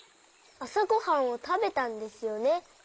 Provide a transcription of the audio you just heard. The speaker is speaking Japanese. あさごはんをたべたんですよね。